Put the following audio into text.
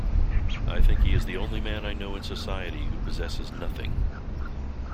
I think he is the only man I know in society who possesses nothing.